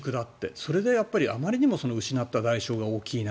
それであまりにも失った代償が大きいな。